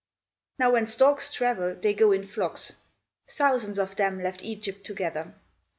Now when storks travel, they go in flocks. Thousands of them left Egypt together.